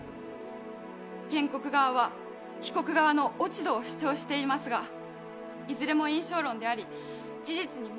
原告側は被告側の落ち度を主張していますがいずれも印象論であり事実に基づかない主張です。